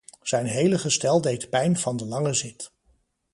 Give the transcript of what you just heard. Zijn hele gestel deed pijn van de lange zit.